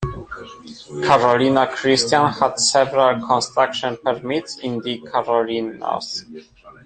Carolina Christian had several construction permits in the Carolinas.